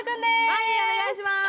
はいお願いします